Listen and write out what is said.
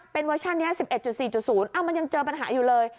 เป็นเวอร์ชันนี้๑๑๔๐มันยังเจอปัญหาอยู่เลย